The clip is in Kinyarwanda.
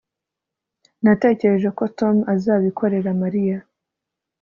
Natekereje ko Tom azabikorera Mariya